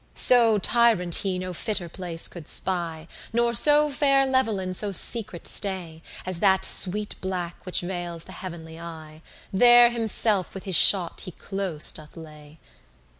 So tyrant he no fitter place could spy, Nor so fair level in so secret stay, As that sweet black which veils the heav'nly eye: There himself with his shot he close doth lay.